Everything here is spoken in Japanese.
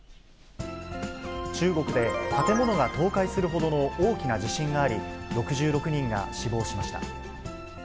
中国で建物が倒壊するほどの大きな地震があり、６６人が死亡しました。